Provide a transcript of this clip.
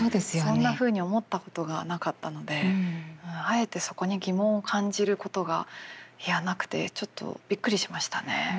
そんなふうに思ったことがなかったのであえてそこに疑問を感じることがいやなくてちょっとびっくりしましたね。